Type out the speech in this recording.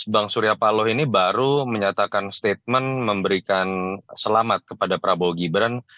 bang surya paloh ini baru menyatakan statement memberikan selamat kepada prabowo gibran